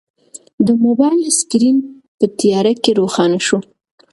د موبایل سکرین په تیاره کې روښانه شو.